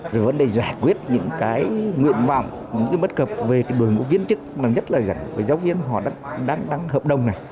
rồi vấn đề giải quyết những cái nguyện vọng những cái mất cập về cái đồi mũ viên chức mà rất là gần với giáo viên họ đang hợp đồng này